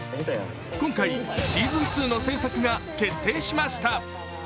今回、シーズン２の制作が決定しました。